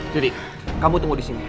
diri kamu tunggu disini